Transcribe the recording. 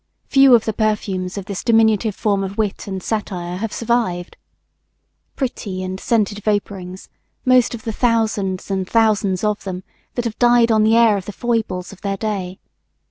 Few of the perfumes of this diminutive form of wit and satire have survived. Pretty and scented vaporings, most of the thousands and thousands of them, that have died on the air of the foibles of their day.